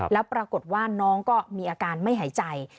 แล้วปรากฏว่าน้องก็มีอาการไม่หายใจ